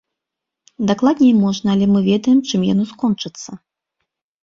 Дакладней можна, але мы ведаем, чым яно скончыцца.